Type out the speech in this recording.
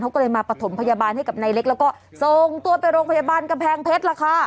เขาก็เลยมาประถมพยาบาลให้กับนายเล็กแล้วก็ส่งตัวไปโรงพยาบาลกำแพงเพชรล่ะค่ะ